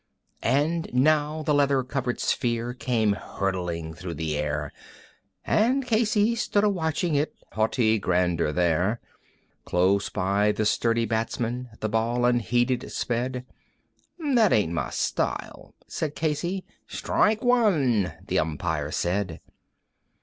And now the leather covered sphere came hurtling through the air, And Casey stood a watching it in haughty grandeur there; Close by the sturdy batsman the ball unheeded sped: "That ain't my style," said Casey. "Strike one," the umpire said.